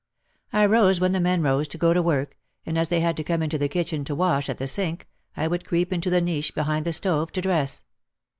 I rose when the men rose to go to work, and as they had to come into the kitchen to wash at the sink, I would creep into the niche behind the stove to dress.